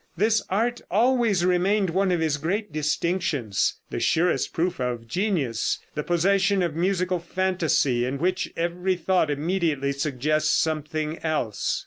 This art always remained one of his great distinctions the surest proof of genius, the possession of musical fantasy, in which every thought immediately suggests something else.